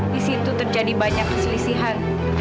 di situ terjadi banyak keselisihan